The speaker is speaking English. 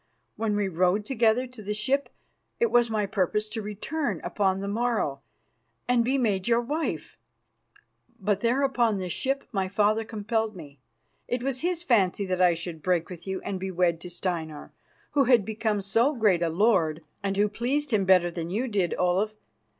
When we rode together to the ship, it was my purpose to return upon the morrow and be made your wife. But there upon the ship my father compelled me. It was his fancy that I should break with you and be wed to Steinar, who had become so great a lord and who pleased him better than you did, Olaf.